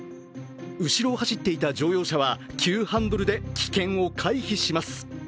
後ろを走っていた乗用車は急ハンドルで危険を回避します。